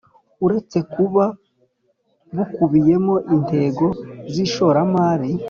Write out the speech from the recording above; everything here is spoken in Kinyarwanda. Uretse kuba bukubiyemo intego z ishoramari